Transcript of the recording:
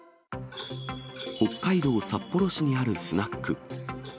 北海道札幌市にあるスナック。